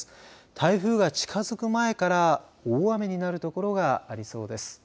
台風が近づく前から大雨になるところがありそうです。